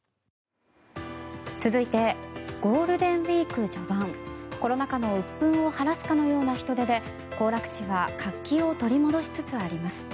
続いてゴールデンウィーク序盤コロナ禍のうっ憤を晴らすかのような人出で行楽地は活気を取り戻しつつあります。